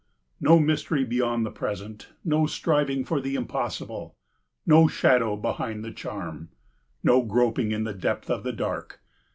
No mystery beyond the present; no striving for the impossible; no shadow behind the charm; no groping in the depth of the dark.